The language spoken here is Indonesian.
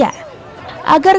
agar kembali ke asrama